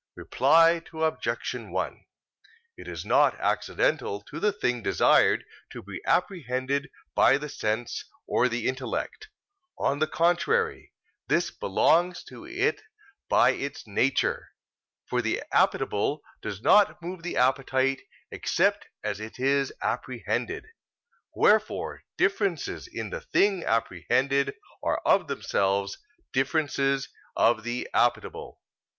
Reply Obj. 1: It is not accidental to the thing desired to be apprehended by the sense or the intellect; on the contrary, this belongs to it by its nature; for the appetible does not move the appetite except as it is apprehended. Wherefore differences in the thing apprehended are of themselves differences of the appetible.